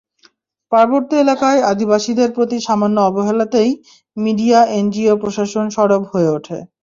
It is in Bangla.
পার্বত্য এলাকায় আদিবাসীদের প্রতি সামান্য অবহেলাতেই মিডিয়া, এনজিও, প্রশাসন সরব হয়ে ওঠে।